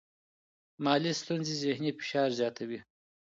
مالي ستونزې ذهنی فشار زیاتوي.